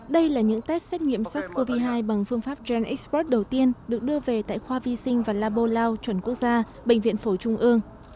đây là những test xét nghiệm sars cov hai bằng phương pháp genexpress đầu tiên được đưa về tại khoa vi sinh và labolau chuẩn quốc gia bệnh viện phổi trung ương